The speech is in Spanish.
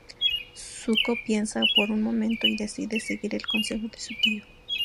Zuko piensa por un momento y decide seguir el consejo de su tío.